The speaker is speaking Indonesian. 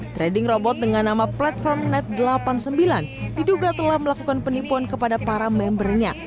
trading robot dengan nama platform net delapan puluh sembilan diduga telah melakukan penipuan kepada para membernya